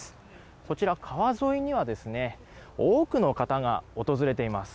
こちら川沿いには多くの方が訪れています。